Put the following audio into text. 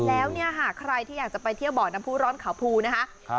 แล้วเนี่ยหากใครที่อยากจะไปเที่ยวบ่อน้ำผู้ร้อนขาวภูนะคะ